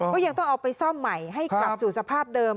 ก็ยังต้องเอาไปซ่อมใหม่ให้กลับสู่สภาพเดิม